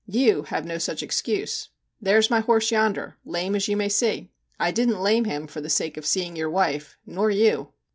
You have no such excuse. There is my horse yonder lame, as you may see. I didn't lame him for the sake of seeing your wife nor you.'